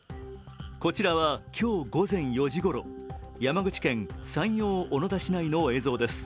こちらは今日午前４時ごろ山口県山陽小野田市内の映像です。